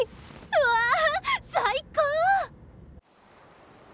うわ最高！